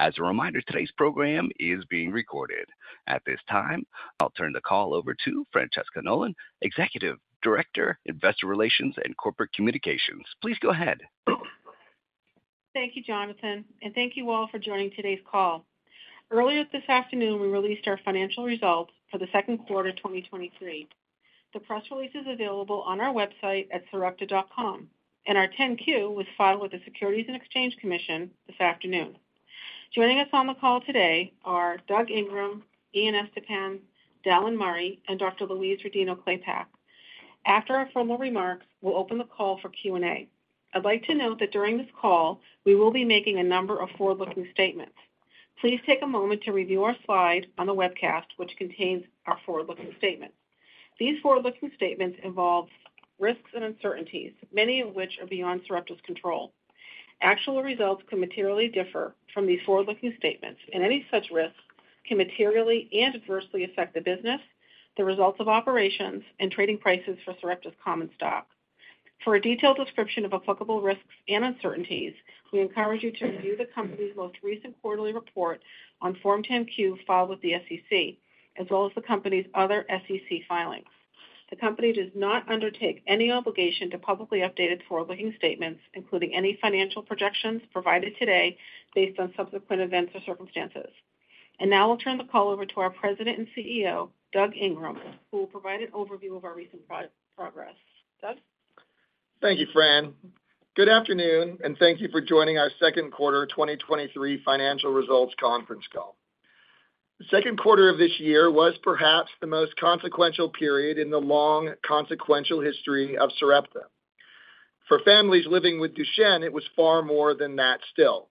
As a reminder, today's program is being recorded. At this time, I'll turn the call over to Francesca Nolan, Executive Director, Investor Relations and Corporate Communications. Please go ahead. Thank you, Jonathan. Thank you all for joining today's call. Earlier this afternoon, we released our financial results for the second quarter 2023. The press release is available on our website at Sarepta.com, and our 10-Q was filed with the Securities and Exchange Commission this afternoon. Joining us on the call today are Doug Ingram, Ian Estepan, Dallan Murray, and Dr. Louise Rodino-Klapac. After our formal remarks, we'll open the call for Q&A. I'd like to note that during this call, we will be making a number of forward-looking statements. Please take a moment to review our slide on the webcast, which contains our forward-looking statements. These forward-looking statements involve risks and uncertainties, many of which are beyond Sarepta's control. Actual results can materially differ from these forward-looking statements, any such risks can materially and adversely affect the business, the results of operations, and trading prices for Sarepta's common stock. For a detailed description of applicable risks and uncertainties, we encourage you to review the company's most recent quarterly report on Form 10-Q filed with the SEC, as well as the company's other SEC filings. The company does not undertake any obligation to publicly update its forward-looking statements, including any financial projections provided today, based on subsequent events or circumstances. Now I'll turn the call over to our President and CEO, Doug Ingram, who will provide an overview of our recent progress. Doug? Thank you, Fran. Good afternoon, thank you for joining our Second Quarter 2023 Financial Results Conference Call. The second quarter of this year was perhaps the most consequential period in the long, consequential history of Sarepta. For families living with Duchenne, it was far more than that still.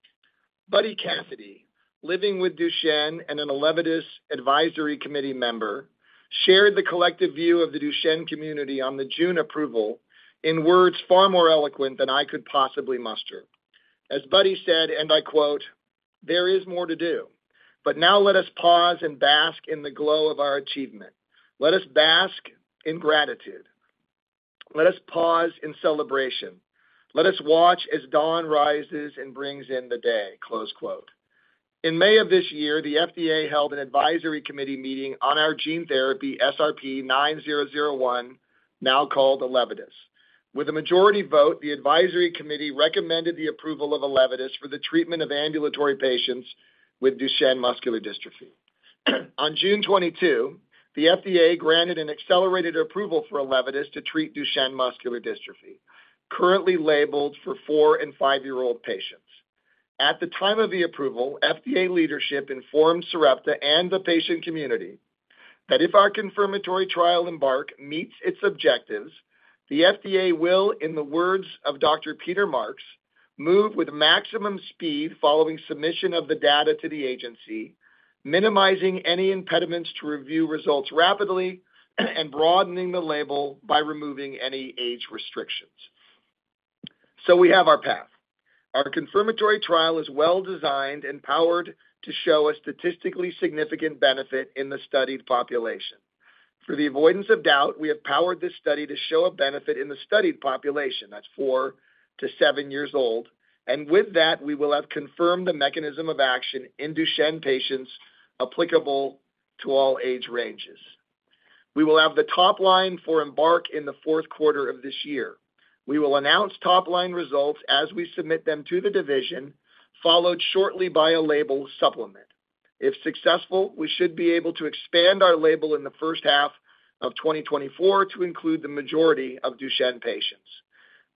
Buddy Cassidy, living with Duchenne and an ELEVIDYS Advisory Committee member, shared the collective view of the Duchenne community on the June approval in words far more eloquent than I could possibly muster. As Buddy said, and I quote, "There is more to do, but now let us pause and bask in the glow of our achievement. Let us bask in gratitude. Let us pause in celebration. Let us watch as dawn rises and brings in the day." Close quote.In May of this year, the FDA held an advisory committee meeting on our gene therapy, SRP-9001, now called ELEVIDYS. With a majority vote, the advisory committee recommended the approval of ELEVIDYS for the treatment of ambulatory patients with Duchenne muscular dystrophy. On June 22, the FDA granted an accelerated approval for ELEVIDYS to treat Duchenne muscular dystrophy, currently labeled for four and five-year-old patients. At the time of the approval, FDA leadership informed Sarepta and the patient community that if our confirmatory trial, EMBARK, meets its objectives, the FDA will, in the words of Dr. Peter Marks, "Move with maximum speed following submission of the data to the agency, minimizing any impediments to review results rapidly and broadening the label by removing any age restrictions." We have our path. Our confirmatory trial is well-designed and powered to show a statistically significant benefit in the studied population. For the avoidance of doubt, we have powered this study to show a benefit in the studied population, that's 4-7 years old, and with that, we will have confirmed the mechanism of action in Duchenne patients applicable to all age ranges. We will have the top line for EMBARK in the fourth quarter of this year. We will announce top-line results as we submit them to the division, followed shortly by a label supplement. If successful, we should be able to expand our label in the first half of 2024 to include the majority of Duchenne patients.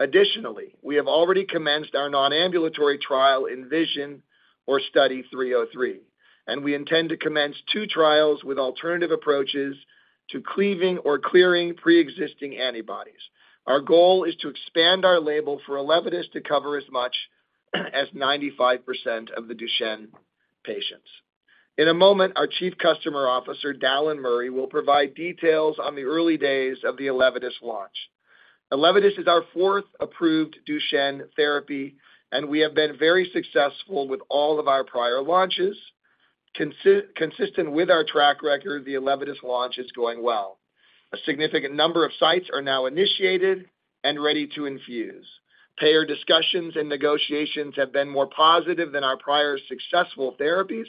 Additionally, we have already commenced our non-ambulatory trial, ENVISION, or Study 303, and we intend to commence two trials with alternative approaches to cleaving or clearing preexisting antibodies. Our goal is to expand our label for ELEVIDYS to cover as much as 95% of the Duchenne patients. In a moment, our Chief Customer Officer, Dallan Murray, will provide details on the early days of the ELEVIDYS launch. ELEVIDYS is our fourth approved Duchenne therapy, and we have been very successful with all of our prior launches. Consistent with our track record, the ELEVIDYS launch is going well. A significant number of sites are now initiated and ready to infuse. Payer discussions and negotiations have been more positive than our prior successful therapies,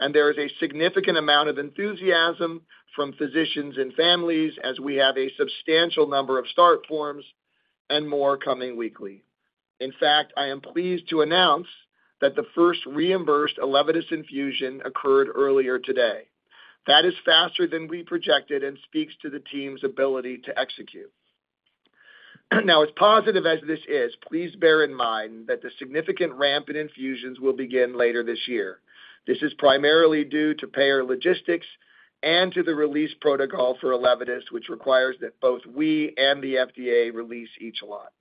and there is a significant amount of enthusiasm from physicians and families as we have a substantial number of start forms and more coming weekly. In fact, I am pleased to announce that the first reimbursed ELEVIDYS infusion occurred earlier today. That is faster than we projected and speaks to the team's ability to execute. Now, as positive as this is, please bear in mind that the significant ramp in infusions will begin later this year. This is primarily due to payer logistics and to the release protocol for ELEVIDYS, which requires that both we and the FDA release each lot.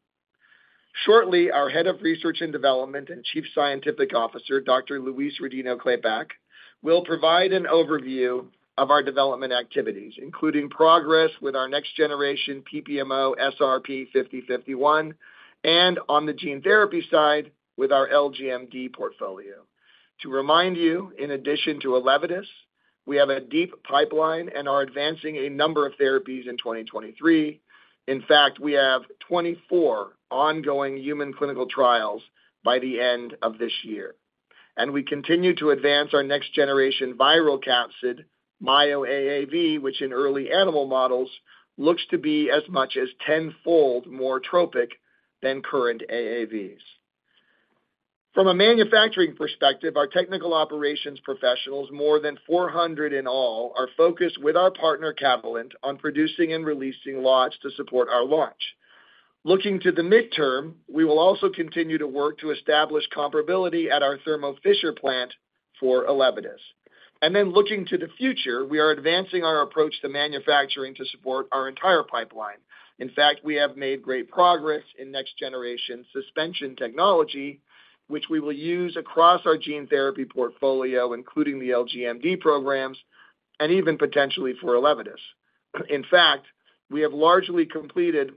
Shortly, our Head of Research and Development and Chief Scientific Officer, Dr. Louise Rodino-Klapac, will provide an overview of our development activities, including progress with our next-generation PPMO, SRP-5051, and on the gene therapy side, with our LGMD portfolio. To remind you, in addition to ELEVIDYS-... We have a deep pipeline and are advancing a number of therapies in 2023. In fact, we have 24 ongoing human clinical trials by the end of this year. We continue to advance our next generation viral capsid, myoAAV, which in early animal models, looks to be as much as 10-fold more tropic than current AAVs. From a manufacturing perspective, our technical operations professionals, more than 400 in all, are focused with our partner, Catalent, on producing and releasing lots to support our launch. Looking to the midterm, we will also continue to work to establish comparability at our Thermo Fisher plant for ELEVIDYS. Looking to the future, we are advancing our approach to manufacturing to support our entire pipeline. In fact, we have made great progress in next-generation suspension technology, which we will use across our gene therapy portfolio, including the LGMD programs and even potentially for ELEVIDYS.In fact, we have largely completed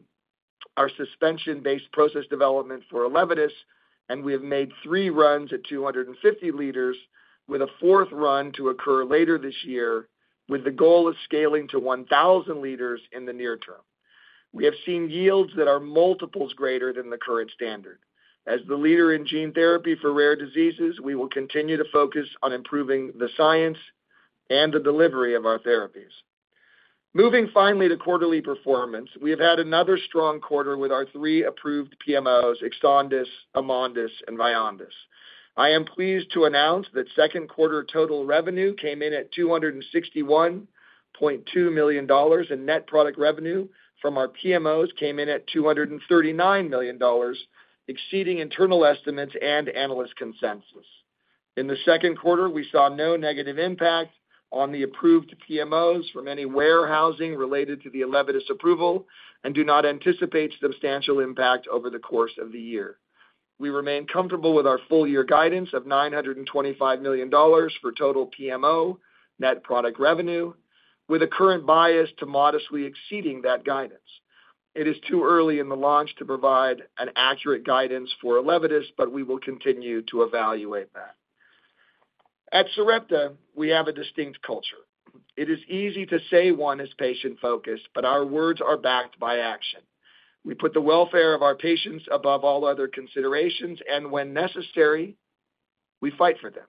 our suspension-based process development for ELEVIDYS, and we have made three runs at 250 L with a fourth run to occur later this year, with the goal of scaling to 1,000 L in the near term. We have seen yields that are multiples greater than the current standard. As the leader in gene therapy for rare diseases, we will continue to focus on improving the science and the delivery of our therapies. Moving finally to quarterly performance, we have had another strong quarter with our three approved PMOs, EXONDYS, AMONDYS, and VYONDYS. I am pleased to announce that second quarter total revenue came in at $261.2 million, and net product revenue from our PMOs came in at $239 million, exceeding internal estimates and analyst consensus.In the second quarter, we saw no negative impact on the approved PMOs from any warehousing related to the ELEVIDYS approval and do not anticipate substantial impact over the course of the year. We remain comfortable with our full-year guidance of $925 million for total PMO net product revenue, with a current bias to modestly exceeding that guidance. It is too early in the launch to provide an accurate guidance for ELEVIDYS, but we will continue to evaluate that. At Sarepta, we have a distinct culture. It is easy to say one is patient-focused, but our words are backed by action. We put the welfare of our patients above all other considerations, and when necessary, we fight for them.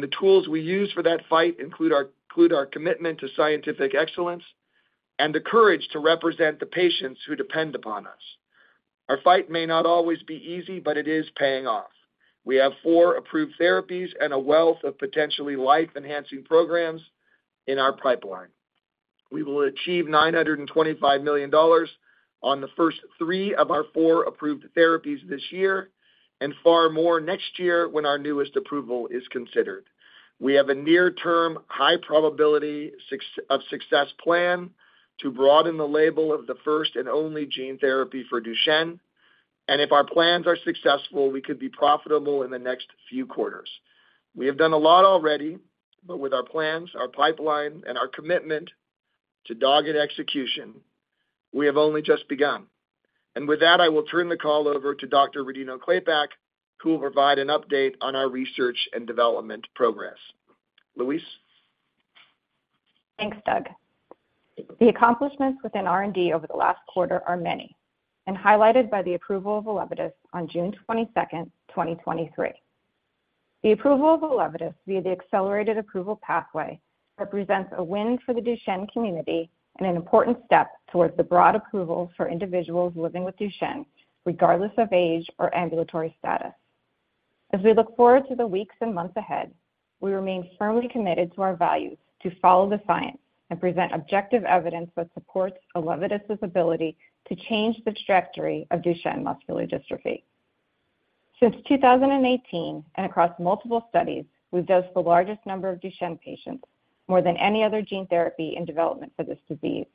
The tools we use for that fight include our commitment to scientific excellence and the courage to represent the patients who depend upon us. Our fight may not always be easy, but it is paying off. We have four approved therapies and a wealth of potentially life-enhancing programs in our pipeline. We will achieve $925 million on the first three of our four approved therapies this year, and far more next year when our newest approval is considered. We have a near-term, high probability of success plan to broaden the label of the first and only gene therapy for Duchenne, and if our plans are successful, we could be profitable in the next few quarters. We have done a lot already, but with our plans, our pipeline, and our commitment to dogged execution, we have only just begun. With that, I will turn the call over to Dr. Louise Rodino-Klapac, who will provide an update on our research and development progress. Louise? Thanks, Doug. The accomplishments within R&D over the last quarter are many, and highlighted by the approval of ELEVIDYS on June 22nd, 2023. The approval of ELEVIDYS via the accelerated approval pathway represents a win for the Duchenne community and an important step towards the broad approval for individuals living with Duchenne, regardless of age or ambulatory status. As we look forward to the weeks and months ahead, we remain firmly committed to our values to follow the science and present objective evidence that supports ELEVIDYS's ability to change the trajectory of Duchenne muscular dystrophy. Since 2018, and across multiple studies, we've dosed the largest number of Duchenne patients, more than any other gene therapy in development for this disease.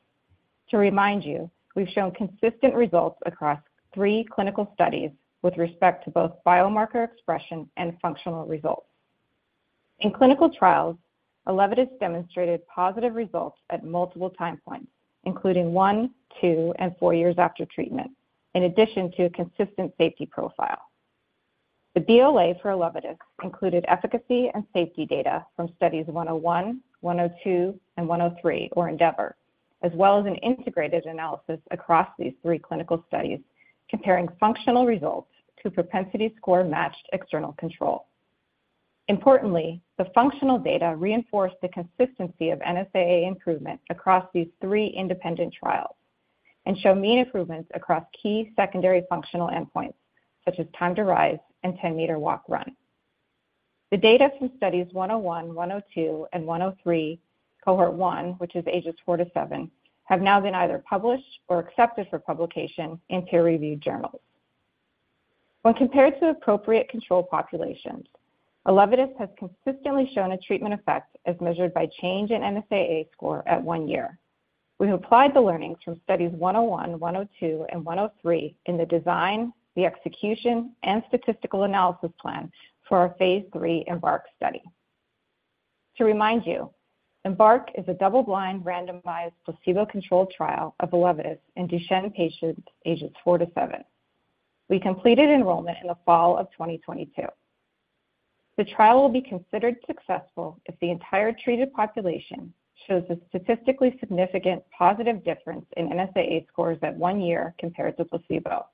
To remind you, we've shown consistent results across three clinical studies with respect to both biomarker expression and functional results. In clinical trials, ELEVIDYS demonstrated positive results at multiple time points, including one, two, and four years after treatment, in addition to a consistent safety profile. The BLA for ELEVIDYS included efficacy and safety data from studies 101, 102, and 103, or ENDEAVOUR, as well as an integrated analysis across these three clinical studies, comparing functional results to propensity-score-matched external control. Importantly, the functional data reinforced the consistency of NSAA improvement across these three independent trials and show mean improvements across key secondary functional endpoints, such as time to rise and 10 m walk/run. The data from studies 101, 102, and 103, cohort 1, which is ages 4-7, have now been either published or accepted for publication in peer-reviewed journals. When compared to appropriate control populations, ELEVIDYS has consistently shown a treatment effect as measured by change in NSAA score at one year. We've applied the learnings from studies 101, 102, and 103 in the design, the execution, and statistical analysis plan for our Phase III EMBARK study. To remind you, EMBARK is a double-blind, randomized, placebo-controlled trial of ELEVIDYS in Duchenne patients ages 4-7. We completed enrollment in the fall of 2022. The trial will be considered successful if the entire treated population shows a statistically significant positive difference in NSAA scores at one year compared to placebo.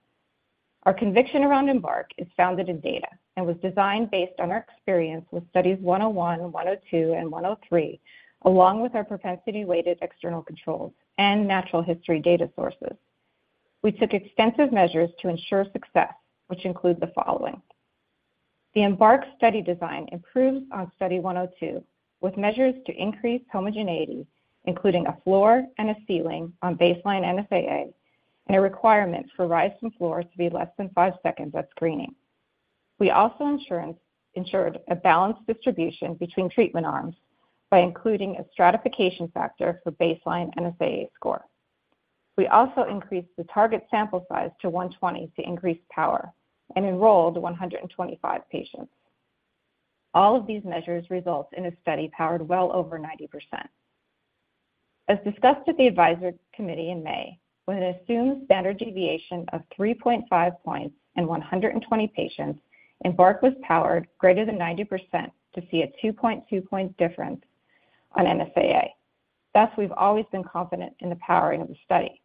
Our conviction around EMBARK is founded in data and was designed based on our experience with studies 101, 102, and 103, along with our propensity-weighted external controls and natural history data sources. We took extensive measures to ensure success, which include the following: The EMBARK study design improves on study 102, with measures to increase homogeneity, including a floor and a ceiling on baseline NSAA and a requirement for rise from floor to be less than five seconds at screening. We also ensured a balanced distribution between treatment arms by including a stratification factor for baseline NSAA score. We also increased the target sample size to 120 to increase power and enrolled 125 patients. All of these measures result in a study powered well over 90%. As discussed at the advisory committee in May, with an assumed standard deviation of 3.5 points in 120 patients, EMBARK was powered greater than 90% to see a 2.2 point difference on NSAA. Thus, we've always been confident in the powering of the study.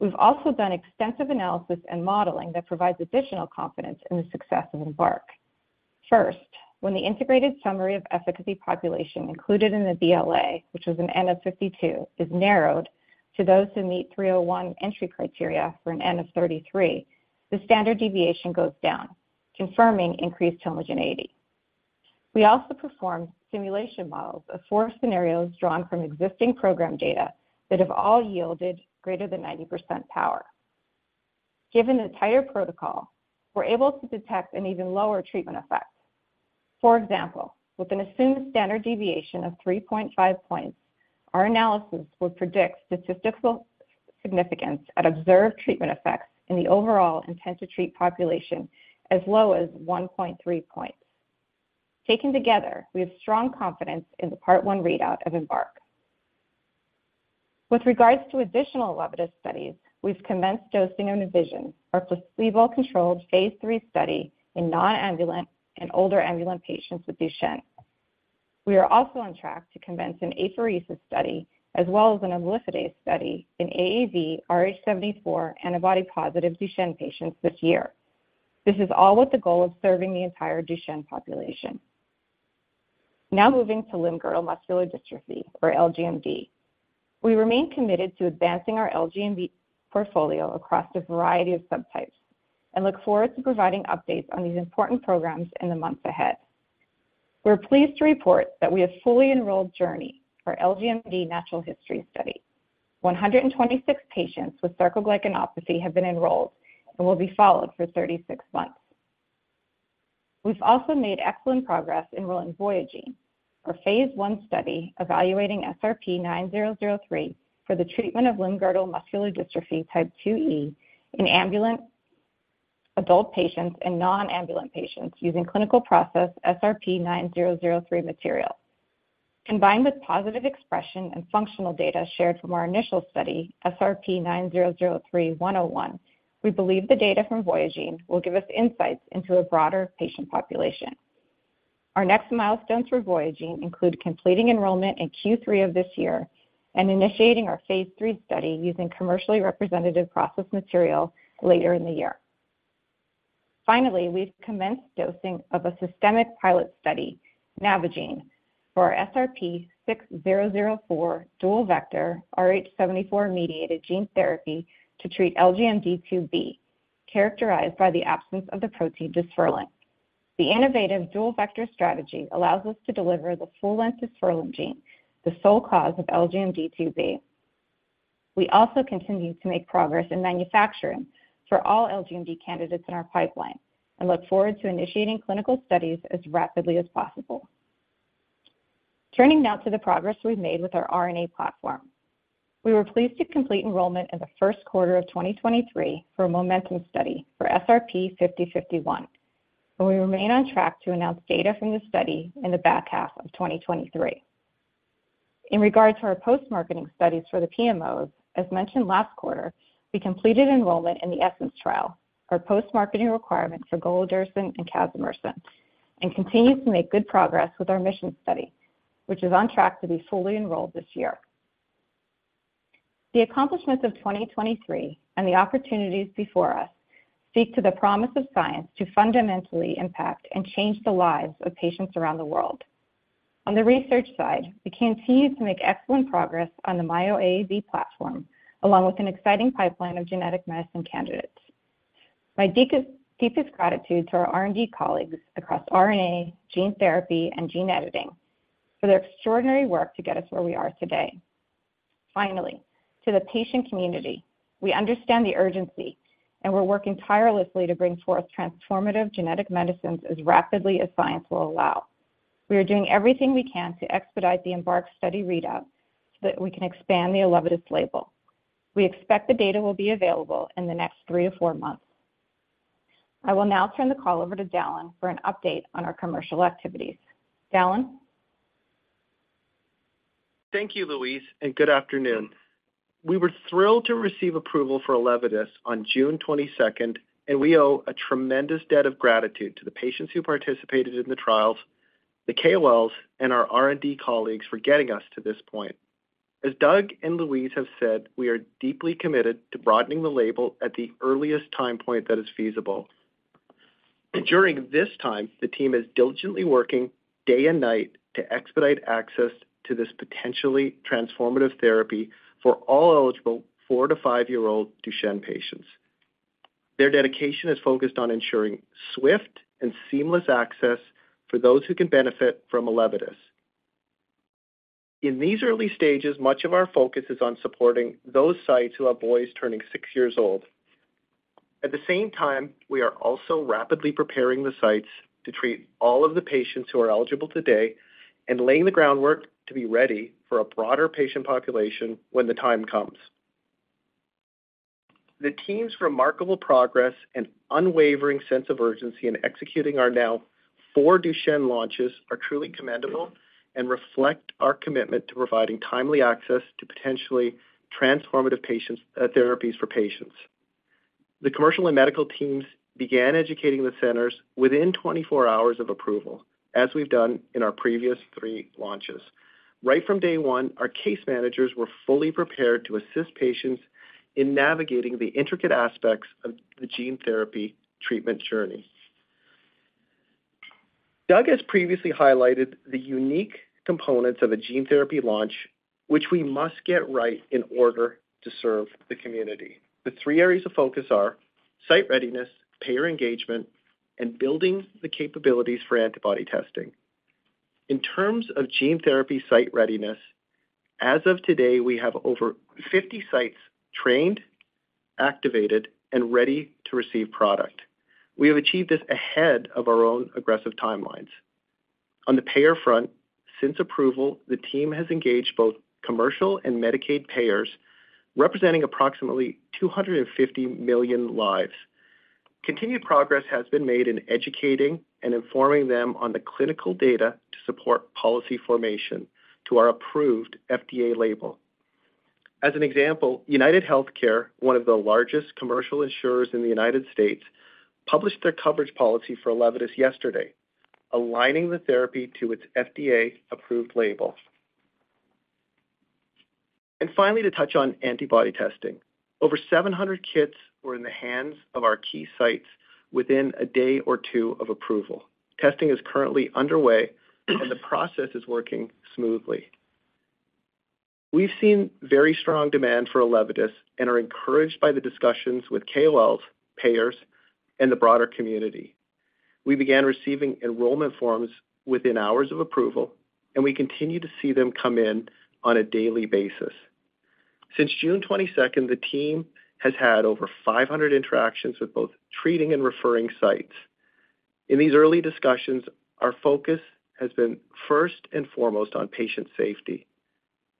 We've also done extensive analysis and modeling that provides additional confidence in the success of EMBARK. First, when the integrated summary of efficacy population included in the BLA, which was an N of 52, is narrowed to those who meet 301 entry criteria for an N of 33, the standard deviation goes down, confirming increased homogeneity. We also performed simulation models of four scenarios drawn from existing program data that have all yielded greater than 90% power. Given the entire protocol, we're able to detect an even lower treatment effect. For example, with an assumed standard deviation of 3.5 points, our analysis would predict statistical significance at observed treatment effects in the overall intent to treat population as low as 1.3 points. Taken together, we have strong confidence in the Part One readout of EMBARK. With regards to additional ELEVIDYS studies, we've commenced dosing on ENVISION, our placebo-controlled Phase III study in nonambulant and older ambulant patients with Duchenne. We are also on track to commence an apheresis study as well as an imlifidase study in AAV-RH74 antibody-positive Duchenne patients this year. This is all with the goal of serving the entire Duchenne population. Now moving to limb-girdle muscular dystrophy, or LGMD. We remain committed to advancing our LGMD portfolio across a variety of subtypes and look forward to providing updates on these important programs in the months ahead. We're pleased to report that we have fully enrolled JOURNEY, our LGMD natural history study. 126 patients with sarcoglycanopathy have been enrolled and will be followed for 36 months. We've also made excellent progress enrolling VOYAGING, our Phase I study evaluating SRP-9003 for the treatment of limb-girdle muscular dystrophy Type 2E in ambulant adult patients and nonambulant patients using clinical process SRP-9003 material. Combined with positive expression and functional data shared from our initial study, SRP-9003-101, we believe the data from VOYAGING will give us insights into a broader patient population. Our next milestones for VOYAGING include completing enrollment in Q3 of this year and initiating our Phase III study using commercially representative process material later in the year. Finally, we've commenced dosing of a systemic pilot study, NAVIGATING, for our SRP-6004 dual vector Rh74-mediated gene therapy to treat LGMD 2B, characterized by the absence of the protein dysferlin. The innovative dual vector strategy allows us to deliver the full-length dysferlin gene, the sole cause of LGMD 2B. We also continue to make progress in manufacturing for all LGMD candidates in our pipeline and look forward to initiating clinical studies as rapidly as possible. Turning now to the progress we've made with our RNA platform. We were pleased to complete enrollment in the first quarter of 2023 for a momentum study for SRP-5051, and we remain on track to announce data from the study in the back half of 2023. In regards to our post-marketing studies for the PMOs, as mentioned last quarter, we completed enrollment in the ESSENCE trial, our post-marketing requirement for golodirsen and casimersen, and continue to make good progress with our MISSION study, which is on track to be fully enrolled this year. The accomplishments of 2023 and the opportunities before us speak to the promise of science to fundamentally impact and change the lives of patients around the world. On the research side, we continue to make excellent progress on the MyoAAV platform, along with an exciting pipeline of genetic medicine candidates. My deepest gratitude to our R&D colleagues across RNA, gene therapy, and gene editing for their extraordinary work to get us where we are today. Finally, to the patient community, we understand the urgency, and we're working tirelessly to bring forth transformative genetic medicines as rapidly as science will allow. We are doing everything we can to expedite the EMBARK study readout so that we can expand the ELEVIDIS label. We expect the data will be available in the next 3-4 months. I will now turn the call over to Dallan for an update on our commercial activities. Dallan? Thank you, Louise, and good afternoon. We were thrilled to receive approval for ELEVIDYS on June 22nd, and we owe a tremendous debt of gratitude to the patients who participated in the trials, the KOLs, and our R&D colleagues for getting us to this point. As Doug and Louise have said, we are deeply committed to broadening the label at the earliest time point that is feasible. During this time, the team is diligently working day and night to expedite access to this potentially transformative therapy for all eligible 4-5 year-old Duchenne patients. Their dedication is focused on ensuring swift and seamless access for those who can benefit from ELEVIDYS. In these early stages, much of our focus is on supporting those sites who have boys turning six years old.At the same time, we are also rapidly preparing the sites to treat all of the patients who are eligible today and laying the groundwork to be ready for a broader patient population when the time comes. The team's remarkable progress and unwavering sense of urgency in executing our now four Duchenne launches are truly commendable and reflect our commitment to providing timely access to potentially transformative patients, therapies for patients. The commercial and medical teams began educating the centers within 24 hours of approval, as we've done in our previous three launches. Right from day one, our case managers were fully prepared to assist patients in navigating the intricate aspects of the gene therapy treatment journey. Doug has previously highlighted the unique components of a gene therapy launch, which we must get right in order to serve the community. The three areas of focus are site readiness, payer engagement, and building the capabilities for antibody testing. In terms of gene therapy site readiness, as of today, we have over 50 sites trained, activated, and ready to receive product. We have achieved this ahead of our own aggressive timelines. On the payer front, since approval, the team has engaged both commercial and Medicaid payers, representing approximately 250 million lives. Continued progress has been made in educating and informing them on the clinical data to support policy formation to our approved FDA label. As an example, United Healthcare, one of the largest commercial insurers in the United States, published their coverage policy for ELEVIDYS yesterday, aligning the therapy to its FDA-approved label. Finally, to touch on antibody testing. Over 700 kits were in the hands of our key sites within a day or two of approval. Testing is currently underway, and the process is working smoothly. We've seen very strong demand for ELEVIDYS and are encouraged by the discussions with KOLs, payers, and the broader community. We began receiving enrollment forms within hours of approval, and we continue to see them come in on a daily basis. Since June 22nd, the team has had over 500 interactions with both treating and referring sites. In these early discussions, our focus has been first and foremost on patient safety,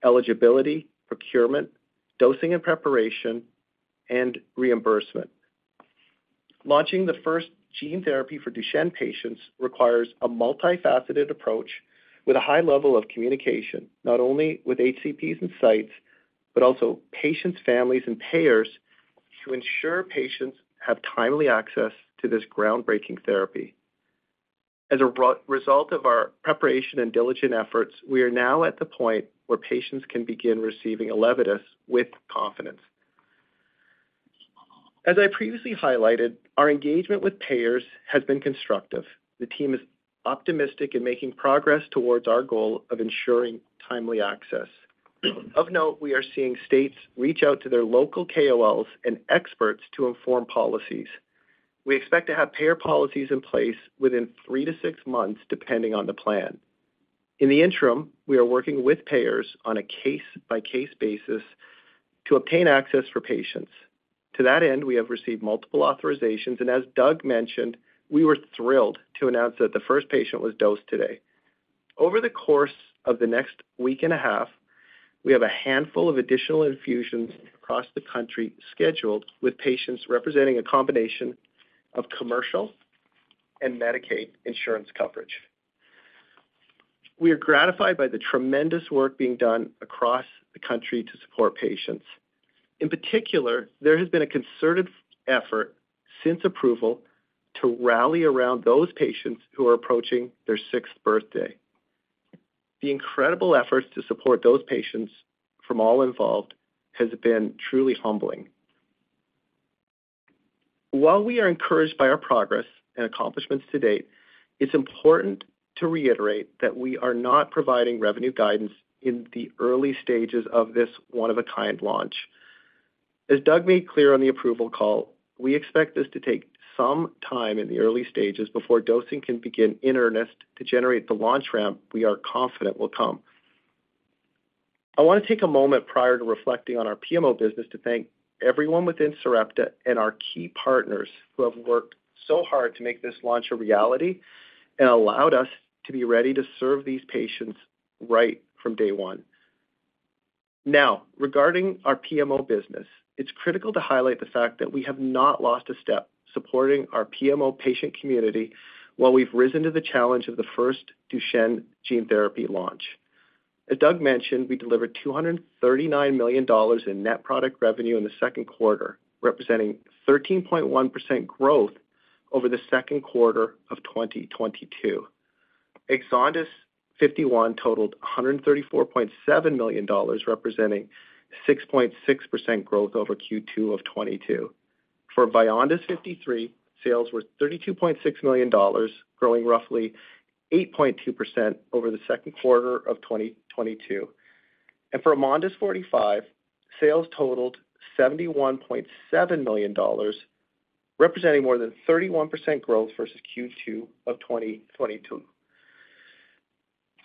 eligibility, procurement, dosing and preparation, and reimbursement. Launching the first gene therapy for Duchenne patients requires a multifaceted approach with a high level of communication, not only with HCPs and sites, but also patients, families, and payers to ensure patients have timely access to this groundbreaking therapy. As a result of our preparation and diligent efforts, we are now at the point where patients can begin receiving ELEVIDYS with confidence. As I previously highlighted, our engagement with payers has been constructive. The team is optimistic in making progress towards our goal of ensuring timely access. Of note, we are seeing states reach out to their local KOLs and experts to inform policies. We expect to have payer policies in place within 3-6 months, depending on the plan. In the interim, we are working with payers on a case-by-case basis to obtain access for patients. To that end, we have received multiple authorizations, and as Doug mentioned, we were thrilled to announce that the first patient was dosed today. Over the course of the next week and a half, we have a handful of additional infusions across the country scheduled, with patients representing a combination of commercial and Medicaid insurance coverage. We are gratified by the tremendous work being done across the country to support patients. In particular, there has been a concerted effort since approval to rally around those patients who are approaching their sixth birthday. The incredible efforts to support those patients from all involved has been truly humbling. While we are encouraged by our progress and accomplishments to date, it's important to reiterate that we are not providing revenue guidance in the early stages of this one-of-a-kind launch. As Doug made clear on the approval call, we expect this to take some time in the early stages before dosing can begin in earnest to generate the launch ramp we are confident will come.I want to take a moment prior to reflecting on our PMO business, to thank everyone within Sarepta and our key partners who have worked so hard to make this launch a reality and allowed us to be ready to serve these patients right from day one. Now, regarding our PMO business, it's critical to highlight the fact that we have not lost a step supporting our PMO patient community, while we've risen to the challenge of the first Duchenne gene therapy launch. As Doug mentioned, we delivered $239 million in net product revenue in the second quarter, representing 13.1% growth over the second quarter of 2022. Exondys 51 totaled $134.7 million, representing 6.6% growth over Q2 of 2022. For Vyondys 53, sales were $32.6 million, growing roughly 8.2% over the second quarter of 2022. For AMONDYS 45, sales totaled $71.7 million, representing more than 31% growth versus Q2 of 2022.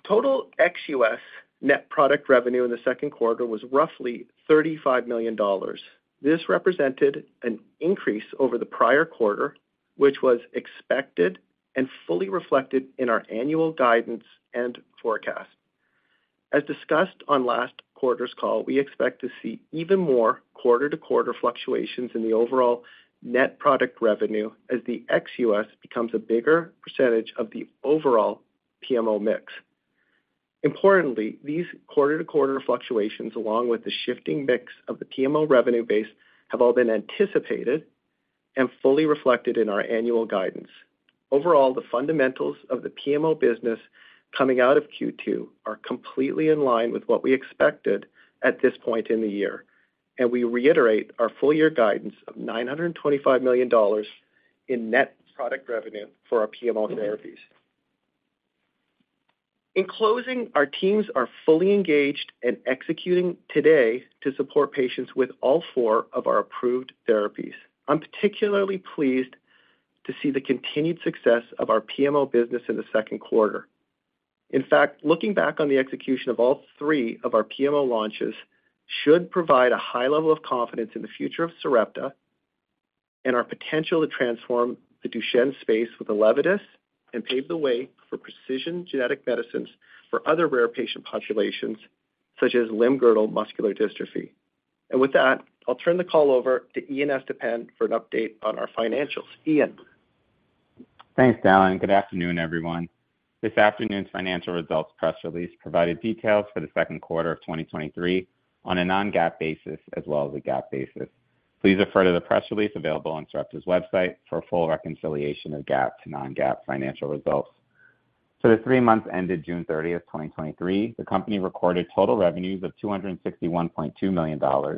Total ex-US net product revenue in the second quarter was roughly $35 million. This represented an increase over the prior quarter, which was expected and fully reflected in our annual guidance and forecast. As discussed on last quarter's call, we expect to see even more quarter-to-quarter fluctuations in the overall net product revenue as the ex-US becomes a bigger percentage of the overall PMO mix. Importantly, these quarter-to-quarter fluctuations, along with the shifting mix of the PMO revenue base, have all been anticipated and fully reflected in our annual guidance. Overall, the fundamentals of the PMO business coming out of Q2 are completely in line with what we expected at this point in the year, and we reiterate our full year guidance of $925 million in net product revenue for our PMO therapies. In closing, our teams are fully engaged and executing today to support patients with all four of our approved therapies. I'm particularly pleased to see the continued success of our PMO business in the second quarter. In fact, looking back on the execution of all three of our PMO launches should provide a high level of confidence in the future of Sarepta and our potential to transform the Duchenne space with Elevidis and pave the way for precision genetic medicines for other rare patient populations, such as limb-girdle muscular dystrophy. With that, I'll turn the call over to Ian Estepan for an update on our financials. Ian? Thanks, Dallan, good afternoon, everyone. This afternoon's financial results press release provided details for the second quarter of 2023 on a non-GAAP basis as well as a GAAP basis. Please refer to the press release available on Sarepta's website for a full reconciliation of GAAP to non-GAAP financial results. For the three months ended June 30th, 2023, the company recorded total revenues of $261.2 million,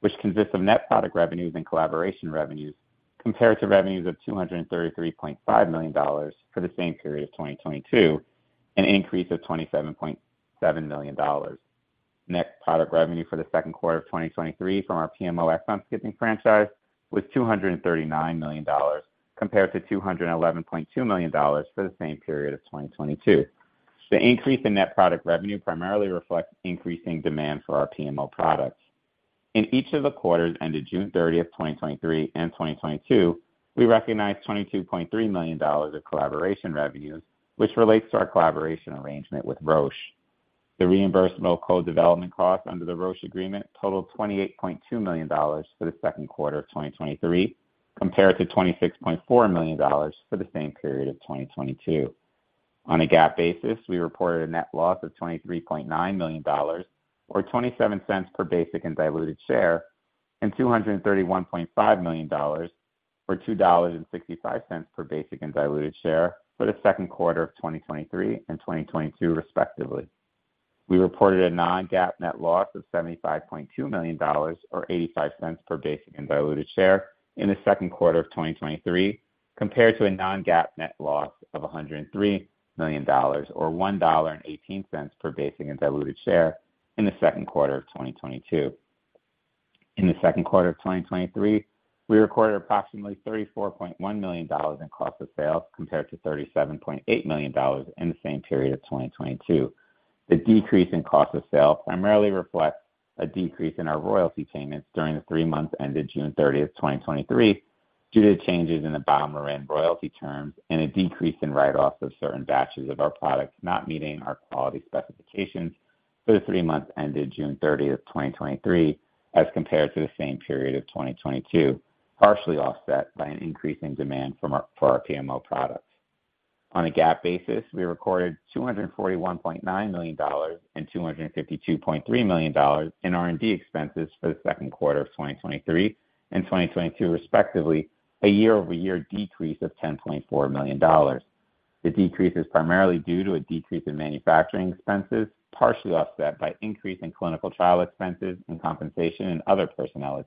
which consists of net product revenues and collaboration revenues, compared to revenues of $233.5 million for the same period of 2022, an increase of $27.7 million. Net product revenue for the second quarter of 2023 from our PMO exon skipping franchise was $239 million, compared to $211.2 million for the same period of 2022. The increase in net product revenue primarily reflects increasing demand for our PMO products. In each of the quarters ended June 30th, 2023 and 2022, we recognized $22.3 million of collaboration revenues, which relates to our collaboration arrangement with Roche. The reimbursable co-development costs under the Roche agreement totaled $28.2 million for the second quarter of 2023, compared to $26.4 million for the same period of 2022. On a GAAP basis, we reported a net loss of $23.9 million, or $0.27 per basic and diluted share, and $231.5 million, or $2.65 per basic and diluted share for the second quarter of 2023 and 2022, respectively. We reported a non-GAAP net loss of $75.2 million, or $0.85 per basic and diluted share in the second quarter of 2023, compared to a non-GAAP net loss of $103 million, or $1.18 per basic and diluted share in the second quarter of 2022. In the second quarter of 2023, we recorded approximately $34.1 million in cost of sales, compared to $37.8 million in the same period of 2022.The decrease in cost of sales primarily reflects a decrease in our royalty payments during the three months ended June 30th, 2023, due to changes in the BioMarin royalty terms and a decrease in write-off of certain batches of our products not meeting our quality specifications for the three months ended June 30th, 2023, as compared to the same period of 2022, partially offset by an increase in demand for our PMO products. On a GAAP basis, we recorded $241.9 million and $252.3 million in R&D expenses for the second quarter of 2023 and 2022, respectively, a year-over-year decrease of $10.4 million. The decrease is primarily due to a decrease in manufacturing expenses, partially offset by increase in clinical trial expenses and compensation and other personnel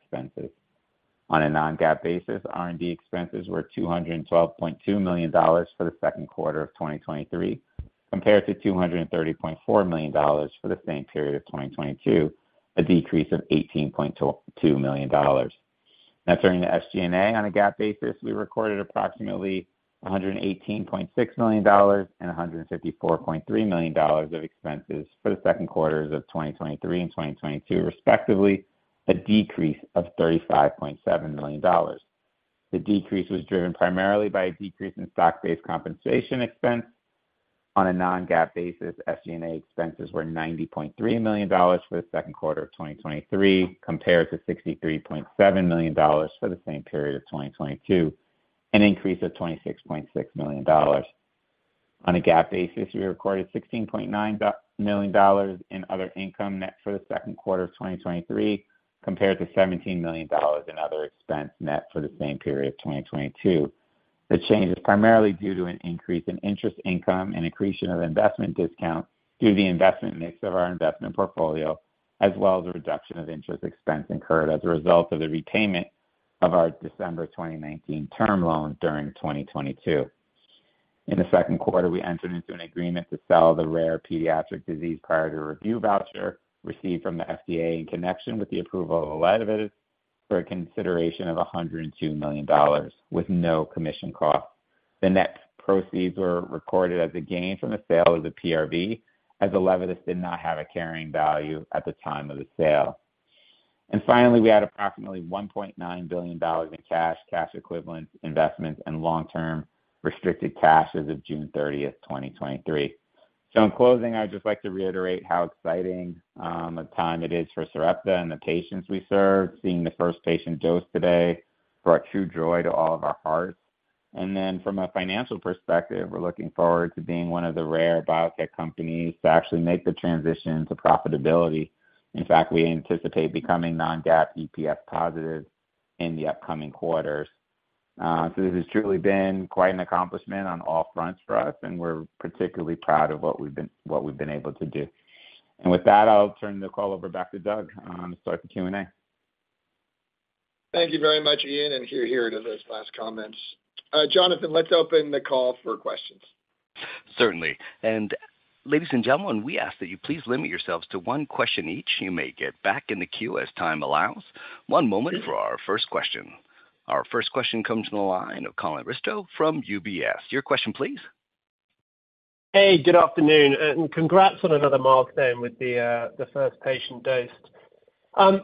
expenses. On a non-GAAP basis, R&D expenses were $212.2 million for the second quarter of 2023, compared to $230.4 million for the same period of 2022, a decrease of $18.2 million. Now, turning to SG&A. On a GAAP basis, we recorded approximately $118.6 million and $154.3 million of expenses for the second quarters of 2023 and 2022, respectively, a decrease of $35.7 million. The decrease was driven primarily by a decrease in stock-based compensation expense. On a non-GAAP basis, SG&A expenses were $90.3 million for the second quarter of 2023, compared to $63.7 million for the same period of 2022, an increase of $26.6 million. On a GAAP basis, we recorded $16.9 million in other income net for the second quarter of 2023, compared to $17 million in other expense net for the same period of 2022. The change is primarily due to an increase in interest income and accretion of investment discount through the investment mix of our investment portfolio, as well as a reduction of interest expense incurred as a result of the repayment of our December 2019 term loan during 2022. In the second quarter, we entered into an agreement to sell the rare pediatric disease priority review voucher received from the FDA in connection with the approval of Olevidus for a consideration of $102 million, with no commission cost. The net proceeds were recorded as a gain from the sale of the PRV, as Olevidus did not have a carrying value at the time of the sale. Finally, we had approximately $1.9 billion in cash, cash equivalents, investments, and long-term restricted cash as of June 30, 2023. In closing, I'd just like to reiterate how exciting a time it is for Sarepta and the patients we serve. Seeing the first patient dose today brought true joy to all of our hearts. Then from a financial perspective, we're looking forward to being one of the rare biotech companies to actually make the transition to profitability. In fact, we anticipate becoming non-GAAP EPF positive in the upcoming quarters. This has truly been quite an accomplishment on all fronts for us, and we're particularly proud of what we've been, what we've been able to do. With that, I'll turn the call over back to Doug, to start the Q&A. Thank you very much, Ian, and hear, hear to those last comments. Jonathan, let's open the call for questions. Certainly. Ladies and gentlemen, we ask that you please limit yourselves to one question each. You may get back in the queue as time allows. One moment for our first question. Our first question comes from the line of Colin Bristow from UBS. Your question, please. Hey, good afternoon, and congrats on another milestone with the, the first patient dosed. I,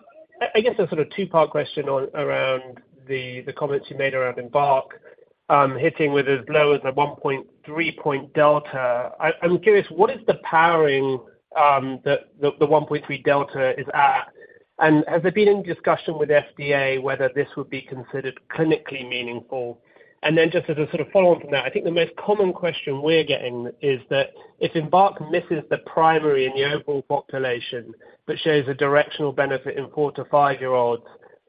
I guess a sort of two-part question around the comments you made around EMBARK, hitting with as low as a 1.3 point delta. I'm curious, what is the powering that the 1.3 delta is at? Have there been any discussion with FDA whether this would be considered clinically meaningful? Just as a sort of follow-up from that, I think the most common question we're getting is that if EMBARK misses the primary in the overall population, but shows a directional benefit in 4-5 year-olds,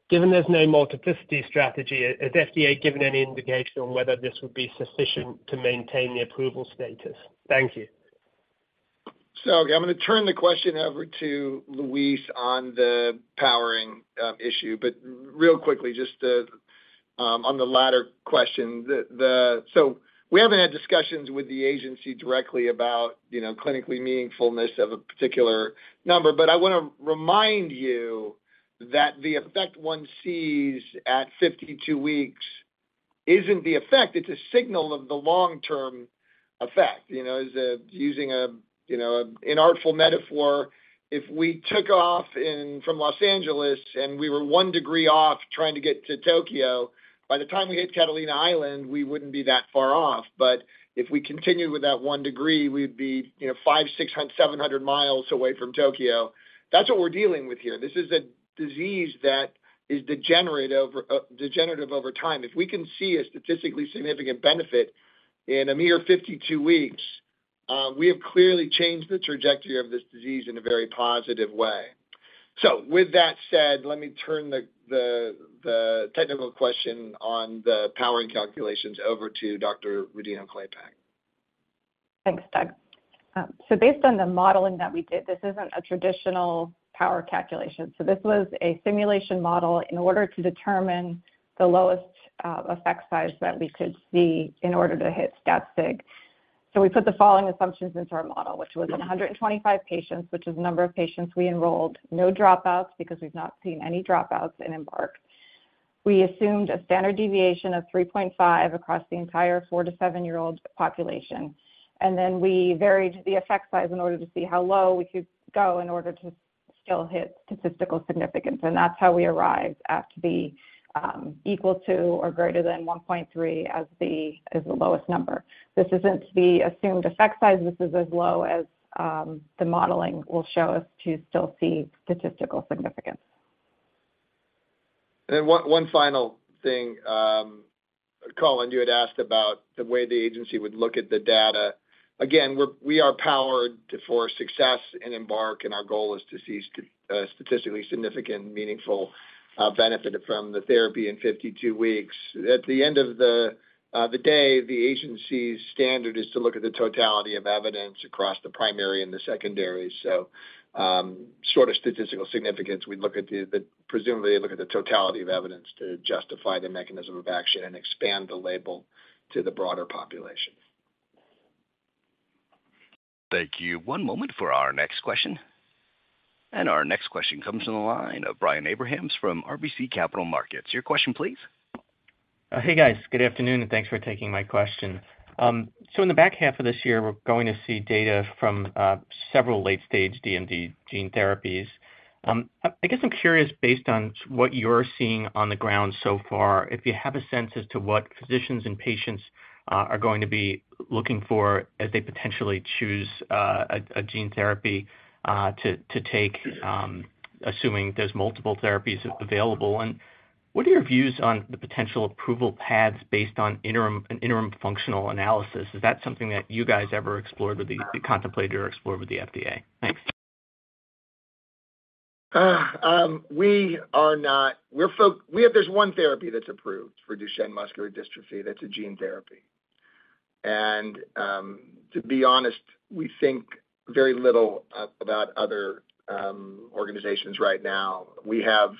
given there's no multiplicity strategy, has FDA given any indication on whether this would be sufficient to maintain the approval status? Thank you. I'm gonna turn the question over to Louise on the powering issue, but real quickly, just to on the latter question. We haven't had discussions with the agency directly about, you know, clinically meaningfulness of a particular number, but I wanna remind you that the effect one sees at 52 weeks isn't the effect, it's a signal of the long-term effect. You know, as using a, you know, an artful metaphor, if we took off from Los Angeles and we were one degree off trying to get to Tokyo, by the time we hit Catalina Island, we wouldn't be that far off. If we continued with that one degree, we'd be, you know, 500, 600, 700 miles away from Tokyo. That's what we're dealing with here. This is a disease that is degenerate over, degenerative over time. If we can see a statistically significant benefit in a mere 52 weeks, we have clearly changed the trajectory of this disease in a very positive way. With that said, let me turn the technical question on the powering calculations over to Dr. Louise Rodino-Klapac. Thanks, Doug. Based on the modeling that we did, this isn't a traditional power calculation. This was a simulation model in order to determine the lowest effect size that we could see in order to hit stat sig. We put the following assumptions into our model, which was 125 patients, which is the number of patients we enrolled, no dropouts, because we've not seen any dropouts in Embark. We assumed a standard deviation of 3.5 across the entire 4-7 year-old population. Then we varied the effect size in order to see how low we could go in order to still hit statistical significance. That's how we arrived at the equal to or greater than 1.3 as the, as the lowest number. This isn't the assumed effect size. This is as low as, the modeling will show us to still see statistical significance. One, one final thing. Colin, you had asked about the way the agency would look at the data. Again, we are powered for success in Embark, and our goal is to see statistically significant, meaningful benefit from the therapy in 52 weeks. At the end of the day, the agency's standard is to look at the totality of evidence across the primary and the secondary. Sort of statistical significance, we'd look at presumably, look at the totality of evidence to justify the mechanism of action and expand the label to the broader population. Thank you. One moment for our next question. Our next question comes from the line of Brian Abrahams from RBC Capital Markets. Your question, please? Hey, guys. Good afternoon, thanks for taking my question. In the back half of this year, we're going to see data from several late-stage DMD gene therapies. I guess I'm curious, based on what you're seeing on the ground so far, if you have a sense as to what physicians and patients are going to be looking for as they potentially choose a gene therapy to take, assuming there's multiple therapies available? What are your views on the potential approval paths based on an interim functional analysis? Is that something that you guys ever contemplated or explored with the FDA? Thanks. We have, there's one therapy that's approved for Duchenne muscular dystrophy, that's a gene therapy. To be honest, we think very little about other organizations right now. We have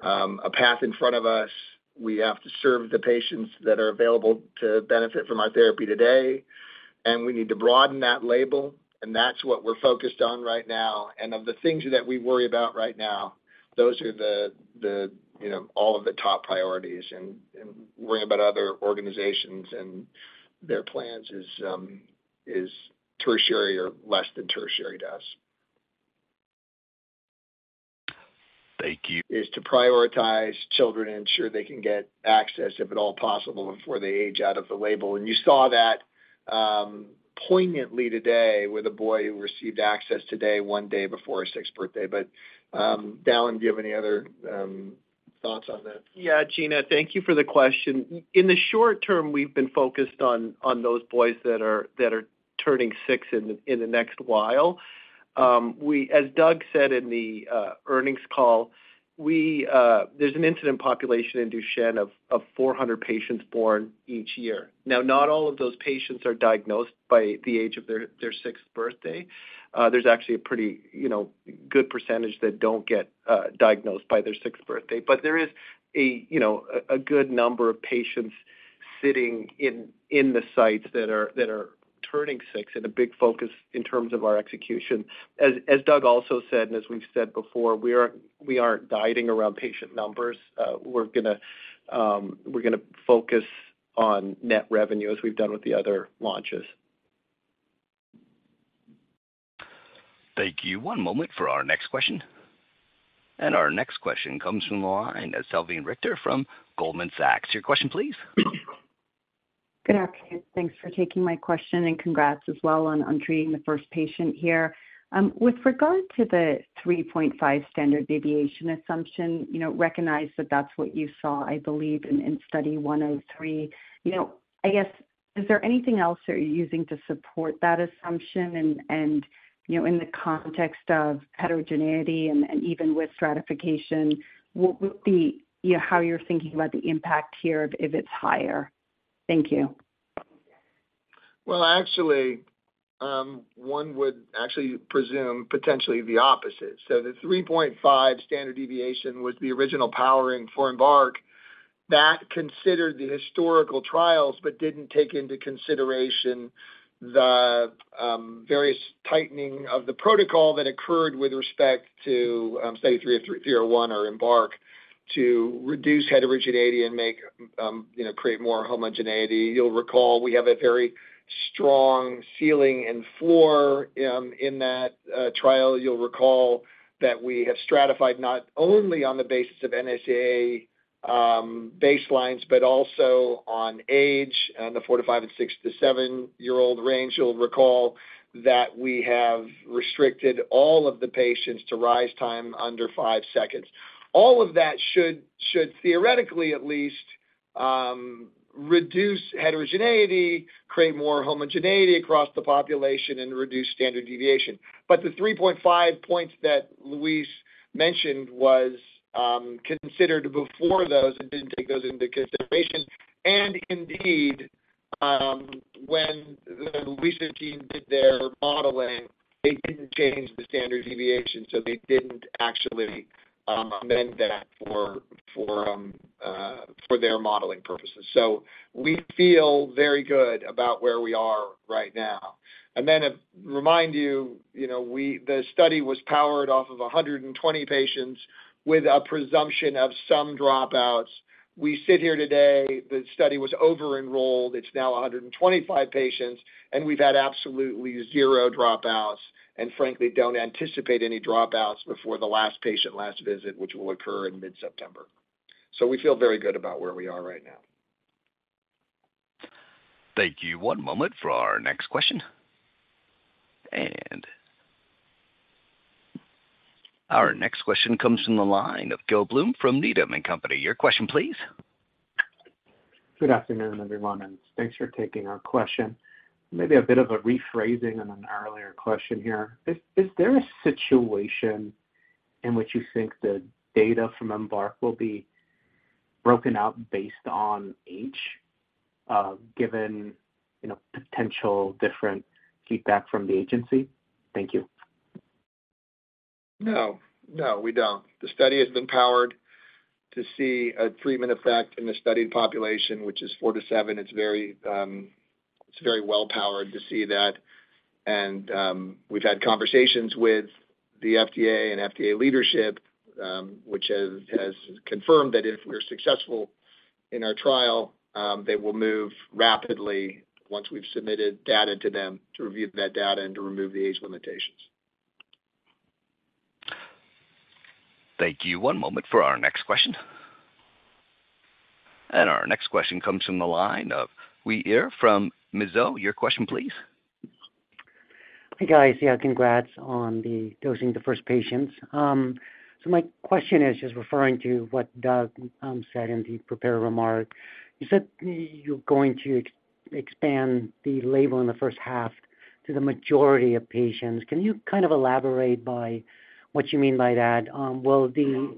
a path in front of us. We have to serve the patients that are available to benefit from our therapy today, and we need to broaden that label, and that's what we're focused on right now. Of the things that we worry about right now, those are the, the, you know, all of the top priorities, and worrying about other organizations and their plans is tertiary or less than tertiary to us. Thank you. Is to prioritize children and ensure they can get access, if at all possible, before they age out of the label. You saw that, poignantly today with a boy who received access today, one day before his sixth birthday. Dallan, do you have any other, thoughts on that? Yeah, Brian, thank you for the question. In the short term, we've been focused on, on those boys that are, that are turning six in the, in the next while. As Doug said in the earnings call, we, there's an incident population in Duchenne of, of 400 patients born each year. Now, not all of those patients are diagnosed by the age of their, their sixth birthday. There's actually a pretty, you know, good percentage that don't get diagnosed by their sixth birthday. There is a, you know, a, a good number of patients sitting in, in the sites that are, that are turning six, and a big focus in terms of our execution. As, as Doug also said, and as we've said before, we aren't, we aren't guiding around patient numbers.we're gonna, we're gonna focus on net revenue as we've done with the other launches. Thank you. One moment for our next question. Our next question comes from the line of Salveen Richter from Goldman Sachs. Your question, please. Good afternoon. Thanks for taking my question, and congrats as well on, on treating the first patient here. With regard to the 3.5 standard deviation assumption, you know, recognize that that's what you saw, I believe, in, in Study 103. You know, I guess, is there anything else that you're using to support that assumption? You know, in the context of heterogeneity and even with stratification, what would be, you know, how you're thinking about the impact here if it's higher? Thank you. Actually, one would actually presume potentially the opposite. The 3.5 standard deviation was the original powering for EMBARK. That considered the historical trials, but didn't take into consideration the various tightening of the protocol that occurred with respect to Study 303, 301, or EMBARK, to reduce heterogeneity and make, you know, create more homogeneity. You'll recall, we have a very strong ceiling and floor in that trial. You'll recall that we have stratified not only on the basis of NSAA baselines, but also on age, on the 4-5 and 6-7 year-old range. You'll recall that we have restricted all of the patients to rise time under five seconds. All of that should, should theoretically at least, reduce heterogeneity, create more homogeneity across the population, and reduce standard deviation. The 3.5 points that Louise mentioned was considered before those, and didn't take those into consideration. Indeed, when Louise's team did their modeling, they didn't change the standard deviation, so they didn't actually amend that for, for their modeling purposes. We feel very good about where we are right now. Then to remind you, you know, the study was powered off of 120 patients with a presumption of some dropouts. We sit here today, the study was over-enrolled. It's now 125 patients, and we've had absolutely zero dropouts, and frankly, don't anticipate any dropouts before the last patient, last visit, which will occur in mid-September. We feel very good about where we are right now. Thank you. One moment for our next question. Our next question comes from the line of Gil Blum from Needham & Company. Your question, please. Good afternoon, everyone, and thanks for taking our question. Maybe a bit of a rephrasing on an earlier question here. Is there a situation in which you think the data from EMBARK will be broken out based on age, given, you know, potential different feedback from the agency? Thank you. No, no, we don't. The study has been powered to see a treatment effect in the studied population, which is four to seven. It's very... It's very well powered to see that. We've had conversations with the FDA and FDA leadership, which has, has confirmed that if we're successful in our trial, they will move rapidly once we've submitted data to them to review that data and to remove the age limitations. Thank you. One moment for our next question. Our next question comes from the line of Yanan Wang from Mizuho. Your question, please. Hey, guys. Yeah, congrats on the dosing the first patients. My question is just referring to what Doug said in the prepared remark. You said you're going to expand the label in the first half to the majority of patients. Can you kind of elaborate by what you mean by that? Will the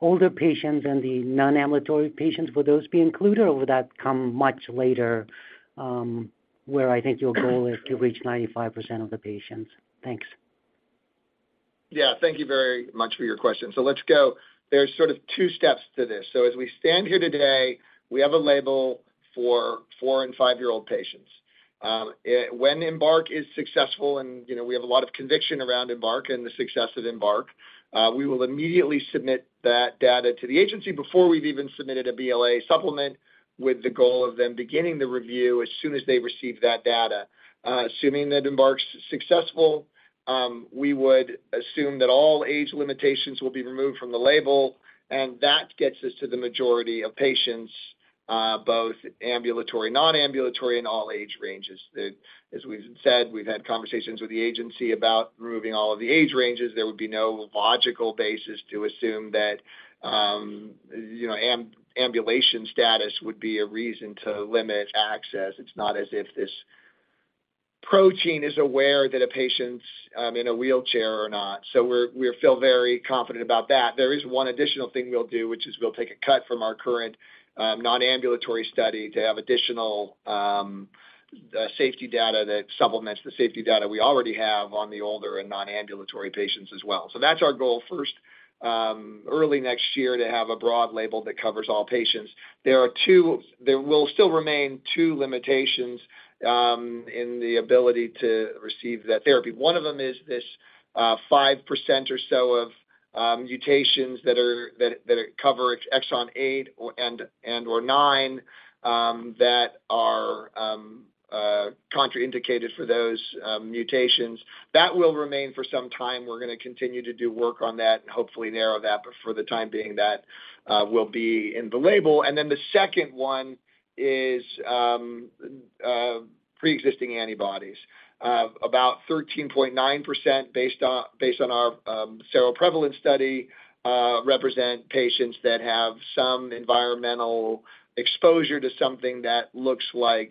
older patients and the non-ambulatory patients, will those be included, or will that come much later, where I think your goal is to reach 95% of the patients? Thanks. Yeah, thank you very much for your question. Let's go, there's sort of two steps to this. As we stand here today, we have a label for four and five-year-old patients. When EMBARK is successful, and, you know, we have a lot of conviction around EMBARK and the success of EMBARK, we will immediately submit that data to the agency before we've even submitted a BLA supplement, with the goal of them beginning the review as soon as they receive that data. Assuming that EMBARK's successful, we would assume that all age limitations will be removed from the label, and that gets us to the majority of patients, both ambulatory, non-ambulatory, and all age ranges. As we've said, we've had conversations with the agency about removing all of the age ranges. There would be no logical basis to assume that, you know, ambulation status would be a reason to limit access. It's not as if this protein is aware that a patient's in a wheelchair or not. We're, we feel very confident about that. There is one additional thing we'll do, which is we'll take a cut from our current non-ambulatory study to have additional safety data that supplements the safety data we already have on the older and non-ambulatory patients as well. That's our goal first, early next year to have a broad label that covers all patients. There will still remain two limitations in the ability to receive that therapy. One of them is this, 5% or so of mutations that are, that, that cover exon 8 or, and, and/or 9, that are contraindicated for those mutations. That will remain for some time. We're gonna continue to do work on that and hopefully narrow that, but for the time being, that will be in the label. Then the second one is preexisting antibodies. About 13.9%, based on, based on our seroprevalence study, represent patients that have some environmental exposure to something that looks like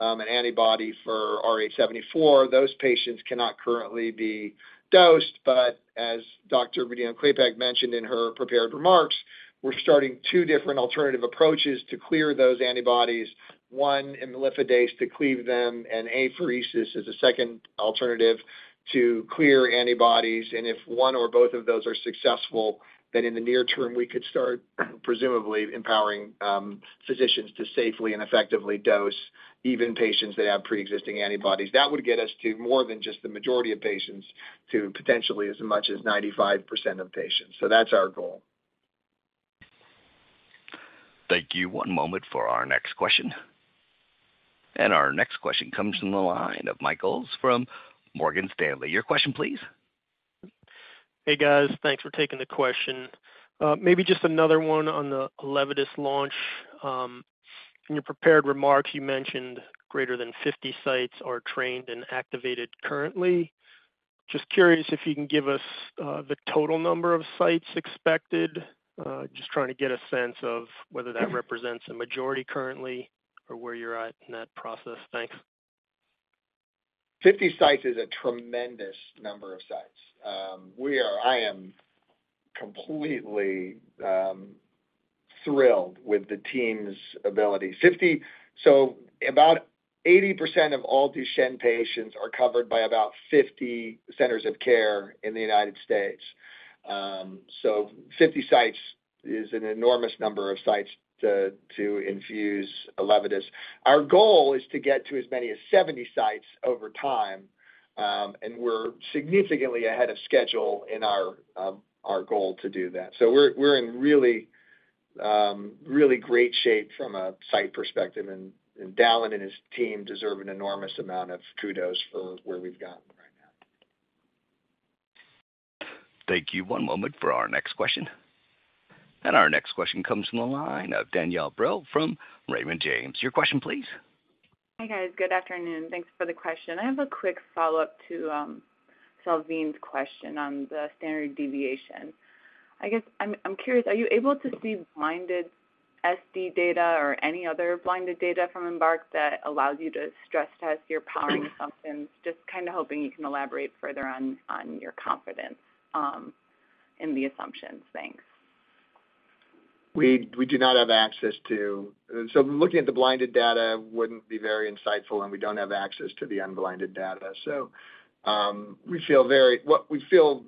an antibody for RH74. Those patients cannot currently be dosed, but as Dr. Louise Rodino-Klapac mentioned in her prepared remarks, we're starting two different alternative approaches to clear those antibodies. One, Imlifidase to cleave them, and apheresis is a second alternative to clear antibodies. If one or both of those are successful, then in the near term, we could start presumably empowering physicians to safely and effectively dose even patients that have preexisting antibodies. That would get us to more than just the majority of patients, to potentially as much as 95% of patients. That's our goal. Thank you. One moment for our next question. Our next question comes from the line of Michael Yee from Morgan Stanley. Your question, please. Hey, guys. Thanks for taking the question. Maybe just another one on the ELEVIDYS launch. In your prepared remarks, you mentioned greater than 50 sites are trained and activated currently. Just curious if you can give us the total number of sites expected? Just trying to get a sense of whether that represents a majority currently or where you're at in that process. Thanks. 50 sites is a tremendous number of sites. We are, I am completely thrilled with the team's ability. About 80% of all Duchenne patients are covered by about 50 centers of care in the United States. 50 sites is an enormous number of sites to, to infuse ELEVIDYS. Our goal is to get to as many as 70 sites over time, and we're significantly ahead of schedule in our, our goal to do that. We're, we're in really, really great shape from a site perspective, and Dallan and his team deserve an enormous amount of kudos for where we've gotten right now. Thank you. One moment for our next question. Our next question comes from the line of Danielle Brill from Raymond James. Your question, please. Hi, guys. Good afternoon. Thanks for the question. I have a quick follow-up to Salveen's question on the standard deviation. I guess I'm, I'm curious, are you able to see blinded SD data or any other blinded data from EMBARK that allows you to stress test your powering assumptions? Just kind of hoping you can elaborate further on, on your confidence in the assumptions. Thanks. We do not have access to. Looking at the blinded data wouldn't be very insightful, and we don't have access to the unblinded data. We feel very. What we feel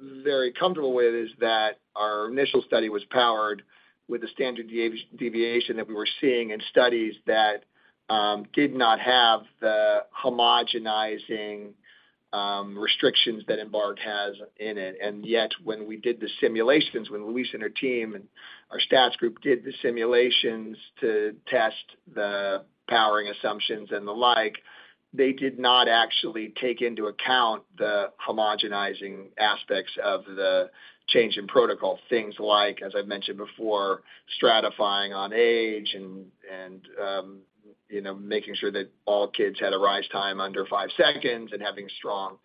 very comfortable with is that our initial study was powered with the standard deviation that we were seeing in studies that did not have the homogenizing restrictions that EMBARK has in it. Yet, when we did the simulations, when Louise and her team and our stats group did the simulations to test the powering assumptions and the like, they did not actually take into account the homogenizing aspects of the change in protocol. Things like, as I mentioned before, stratifying on age and, you know, making sure that all kids had a rise time under five seconds and having strong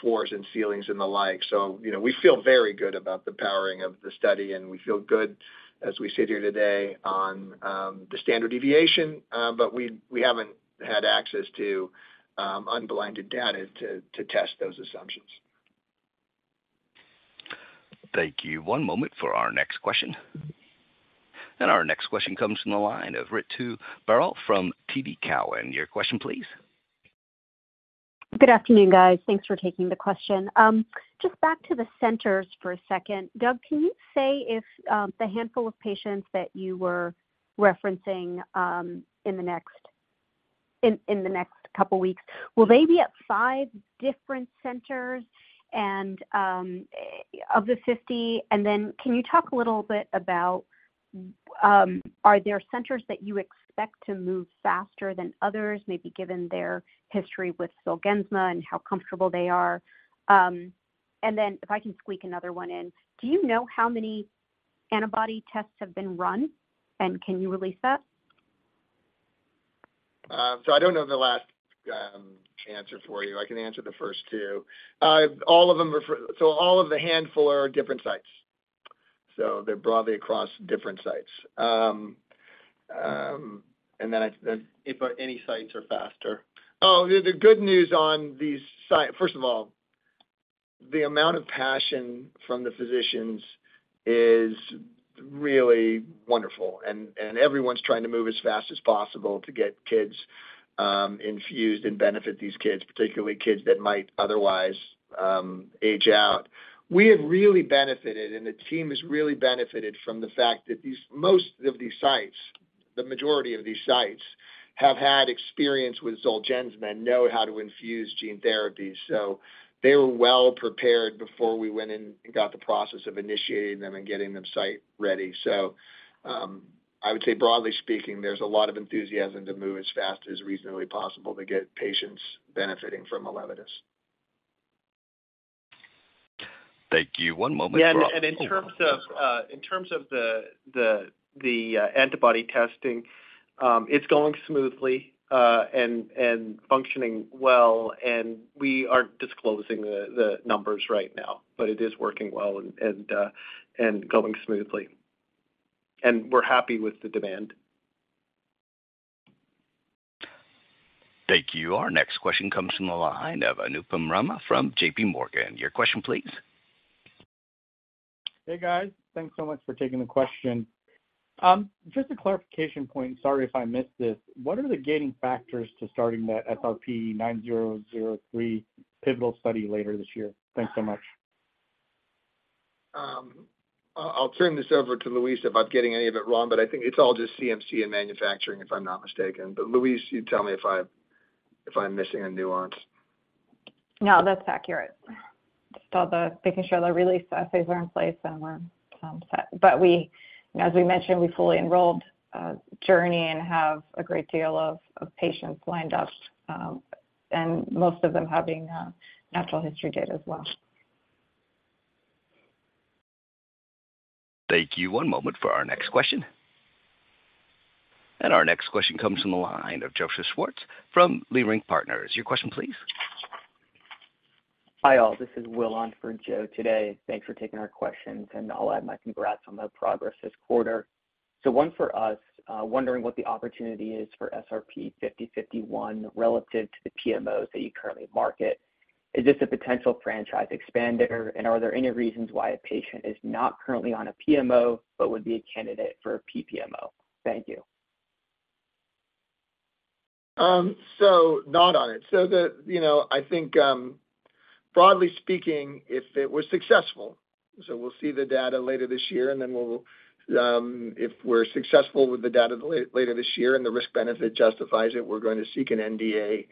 floors and ceilings and the like. You know, we feel very good about the powering of the study, and we feel good as we sit here today on the standard deviation. We, we haven't had access to unblinded data to, to test those assumptions. Thank you. One moment for our next question. Our next question comes from the line of Ritu Baral from TD Cowen. Your question, please. Good afternoon, guys. Thanks for taking the question. Just back to the centers for a second. Doug, can you say if the handful of patients that you were referencing in the next, in, in the next couple of weeks, will they be at five different centers and of the 50? Can you talk a little bit about, are there centers that you expect to move faster than others, maybe given their history with Zolgensma and how comfortable they are? If I can squeak another one in, do you know how many antibody tests have been run, and can you release that? I don't know the last answer for you. I can answer the first two. All of them are all of the handful are different sites. They're broadly across different sites. I, if any sites are faster. Oh, the, the good news on these first of all, the amount of passion from the physicians is really wonderful, and everyone's trying to move as fast as possible to get kids infused and benefit these kids, particularly kids that might otherwise age out. We have really benefited, and the team has really benefited from the fact that these, most of these sites, the majority of these sites, have had experience with Zolgensma and know how to infuse gene therapy. They were well prepared before we went in and got the process of initiating them and getting them site ready. I would say, broadly speaking, there's a lot of enthusiasm to move as fast as reasonably possible to get patients benefiting from Elevidys. Thank you. One moment for- Yeah, and, and in terms of, in terms of the, the, the, antibody testing, it's going smoothly, and, and functioning well, and we aren't disclosing the, the numbers right now, but it is working well and, and, and going smoothly. We're happy with the demand. Thank you. Our next question comes from the line of Anupam Rama from JP Morgan. Your question, please. Hey, guys. Thanks so much for taking the question. Just a clarification point, sorry if I missed this. What are the gating factors to starting that SRP9003 pivotal study later this year? Thanks so much. I'll turn this over to Louise, if I'm getting any of it wrong. I think it's all just CMC and manufacturing, if I'm not mistaken. Louise, you tell me if I, if I'm missing a nuance. No, that's accurate. Just all the, making sure the release assays are in place and we're set. We, as we mentioned, we fully enrolled Journey and have a great deal of patients lined up, and most of them having natural history data as well. Thank you. One moment for our next question. Our next question comes from the line of Joseph Schwartz from Leerink Partners. Your question, please. Hi, all. This is Will on for Joe today. Thanks for taking our questions, and I'll add my congrats on the progress this quarter. One for us, wondering what the opportunity is for SRP-5051 relative to the PMOs that you currently market. Is this a potential franchise expander, and are there any reasons why a patient is not currently on a PMO but would be a candidate for a PPMO? Thank you. Not on it. The, you know, I think, broadly speaking, if it were successful, we'll see the data later this year, and then we'll, if we're successful with the data later this year and the risk-benefit justifies it, we're going to seek an NDA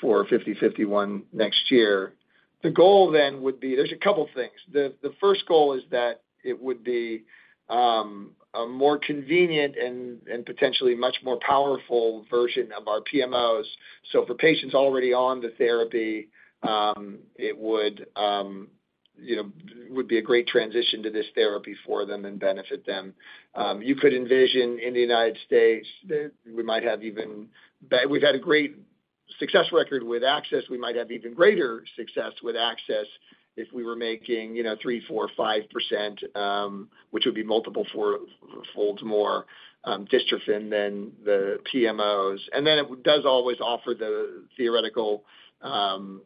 for 5051 next year. The goal then would be. There's a couple things. The first goal is that it would be, a more convenient and, and potentially much more powerful version of our PMOs. For patients already on the therapy, it would, you know, would be a great transition to this therapy for them and benefit them. You could envision in the United States that we might have even we've had a great success record with access. We might have even greater success with access if we were making, you know, 3%, 4%, 5%, which would be multiple four-folds more.... dystrophin than the PMOs. It does always offer the theoretical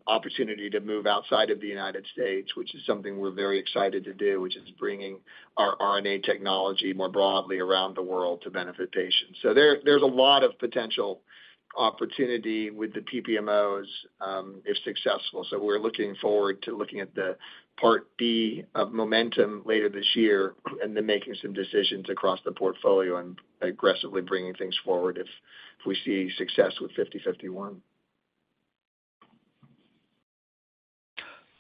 opportunity to move outside of the United States, which is something we're very excited to do, which is bringing our RNA technology more broadly around the world to benefit patients. There, there's a lot of potential opportunity with the PPMOs, if successful. We're looking forward to looking at the Part B of MOMENTUM later this year, and then making some decisions across the portfolio and aggressively bringing things forward if, if we see success with 5051.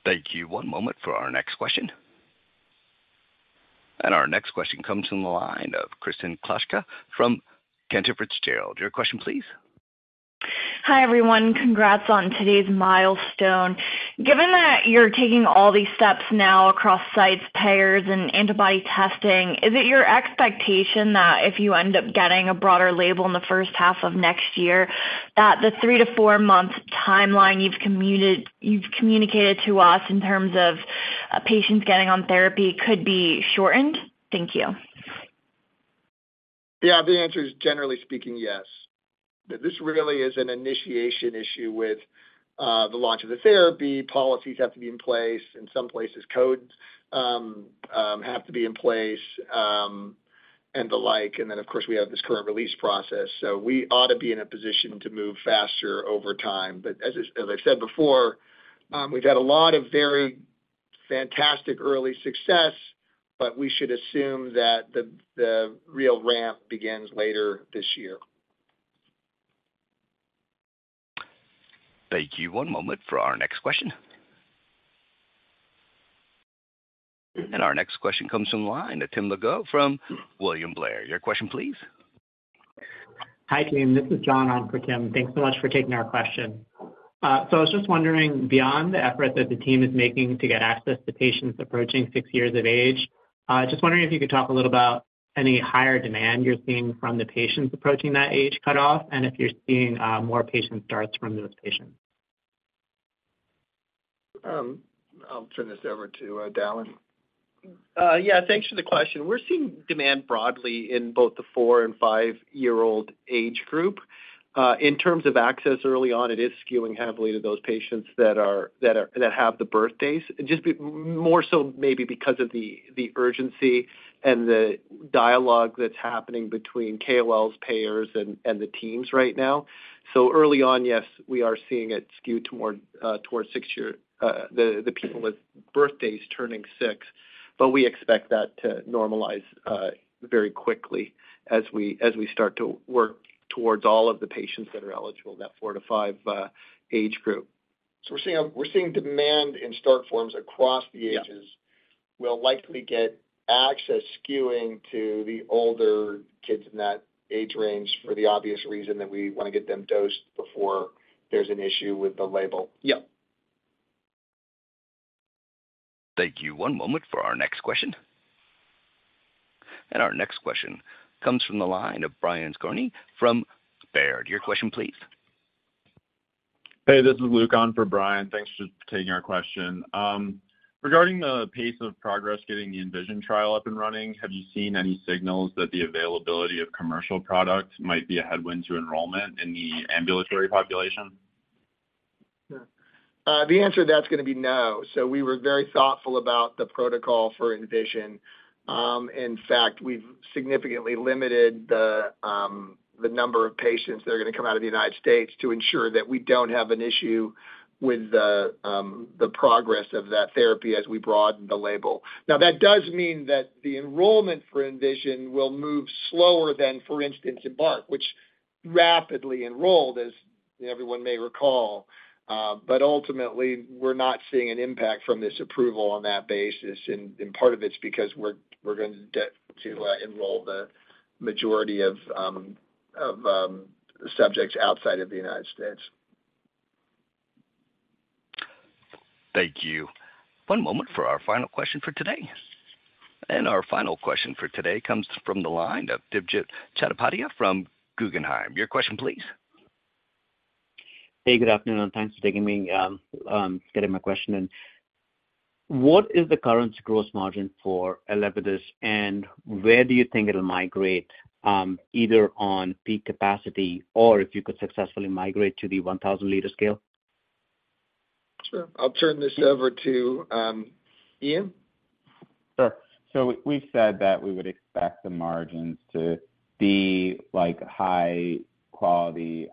Thank you. One moment for our next question. Our next question comes from the line of Kristen Kluska from Cantor Fitzgerald. Your question, please. Hi, everyone. Congrats on today's milestone. Given that you're taking all these steps now across sites, payers, and antibody testing, is it your expectation that if you end up getting a broader label in the first half of next year, that the 3-4 month timeline you've communicated to us in terms of patients getting on therapy could be shortened? Thank you. Yeah, the answer is, generally speaking, yes. This really is an initiation issue with the launch of the therapy. Policies have to be in place. In some places, codes have to be in place, and the like. Then, of course, we have this current release process, so we ought to be in a position to move faster over time. As, as I said before, we've had a lot of very fantastic early success, but we should assume that the, the real ramp begins later this year. Thank you. One moment for our next question. Our next question comes from the line of Tim Lugo from William Blair. Your question, please. Hi, team. This is John on for Tim. Thanks so much for taking our question. I was just wondering, beyond the effort that the team is making to get access to patients approaching six years of age, just wondering if you could talk a little about any higher demand you're seeing from the patients approaching that age cutoff, and if you're seeing more patient starts from those patients? I'll turn this over to Dallan. Yeah, thanks for the question. We're seeing demand broadly in both the four and five-year-old age group. In terms of access, early on, it is skewing heavily to those patients that are that have the birthdays. Just be more so maybe because of the urgency and the dialogue that's happening between KOLs, payers, and the teams right now. Early on, yes, we are seeing it skew toward towards six year, the people with birthdays turning six, but we expect that to normalize very quickly as we start to work towards all of the patients that are eligible in that four to five age group. We're seeing, we're seeing demand in start forms across the ages. Yeah. We'll likely get access skewing to the older kids in that age range for the obvious reason that we wanna get them dosed before there's an issue with the label. Yep. Thank you. One moment for our next question. Our next question comes from the line of Brian Skorney from Baird. Your question, please. Hey, this is Luke on for Brian. Thanks for taking our question. Regarding the pace of progress getting the ENVISION trial up and running, have you seen any signals that the availability of commercial product might be a headwind to enrollment in the ambulatory population? The answer to that's gonna be no. We were very thoughtful about the protocol for ENVISION. In fact, we've significantly limited the, the number of patients that are gonna come out of the United States to ensure that we don't have an issue with the, the progress of that therapy as we broaden the label. Now, that does mean that the enrollment for ENVISION will move slower than, for instance, EMBARK, which rapidly enrolled, as everyone may recall. Ultimately, we're not seeing an impact from this approval on that basis, and, and part of it's because we're, we're going to, enroll the majority of, of, subjects outside of the United States. Thank you. One moment for our final question for today. Our final question for today comes from the line of Dibjit Chattopadhyay from Guggenheim. Your question, please. Hey, good afternoon, and thanks for taking me, getting my question in. What is the current gross margin for ELEVIDYS, and where do you think it'll migrate, either on peak capacity or if you could successfully migrate to the 1,000 L scale? Sure. I'll turn this over to Ian. Sure. We've said that we would expect the margins to be like high quality,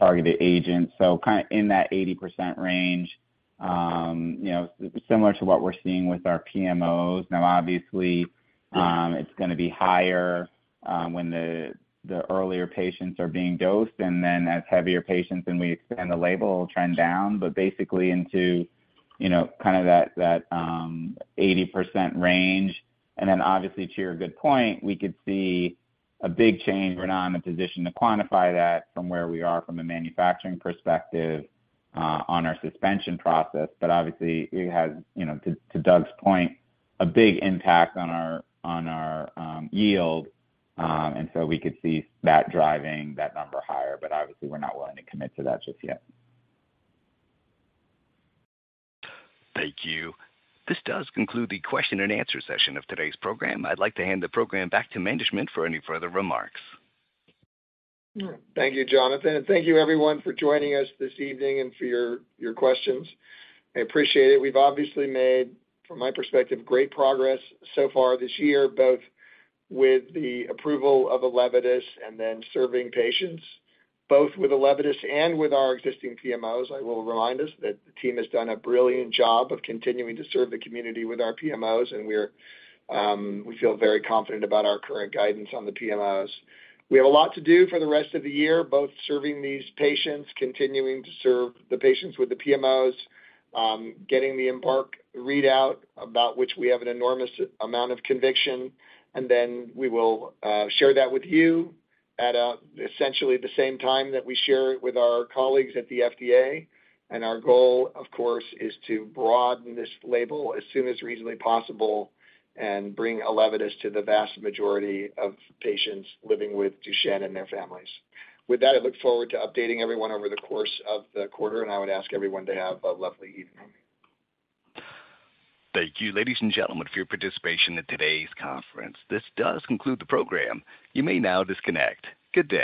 targeted agents, kind of in that 80% range, you know, similar to what we're seeing with our PMOs. Now, obviously, it's gonna be higher when the, the earlier patients are being dosed, and then as heavier patients and we expand the label, it'll trend down, but basically into, you know, kind of that, that 80% range. Then obviously, to your good point, we could see a big change. We're not in a position to quantify that from where we are from a manufacturing perspective, on our suspension process, but obviously, it has, you know, to Doug's point, a big impact on our, on our yield. We could see that driving that number higher, but obviously, we're not willing to commit to that just yet. Thank you. This does conclude the question and answer session of today's program. I'd like to hand the program back to management for any further remarks. Thank you, Jonathan, thank you everyone for joining us this evening and for your, your questions. I appreciate it. We've obviously made, from my perspective, great progress so far this year, both with the approval of ELEVIDYS and then serving patients, both with ELEVIDYS and with our existing PMOs. I will remind us that the team has done a brilliant job of continuing to serve the community with our PMOs, we're, we feel very confident about our current guidance on the PMOs. We have a lot to do for the rest of the year, both serving these patients, continuing to serve the patients with the PMOs, getting the EMBARK readout, about which we have an enormous amount of conviction, then we will share that with you at essentially the same time that we share it with our colleagues at the FDA. Our goal, of course, is to broaden this label as soon as reasonably possible and bring ELEVIDYS to the vast majority of patients living with Duchenne and their families. With that, I look forward to updating everyone over the course of the quarter, and I would ask everyone to have a lovely evening. Thank you, ladies and gentlemen, for your participation in today's conference. This does conclude the program. You may now disconnect. Good day.